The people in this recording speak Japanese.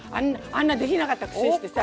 あんなできなかったくせしてさ。